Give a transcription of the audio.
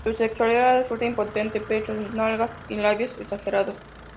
Su sexualidad resulta imponente: pechos, nalgas y labios exagerados.